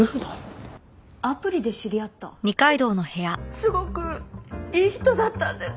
すごくいい人だったんです。